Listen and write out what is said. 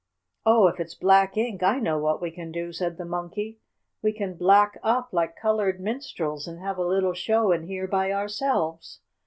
"Oh, if it's black ink, I know what we can do!" said the Monkey. "We can black up like colored minstrels, and have a little show in here by ourselves.